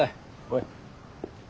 おい。